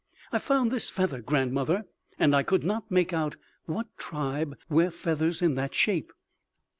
"I found this feather, grandmother, and I could not make out what tribe wear feathers in that shape."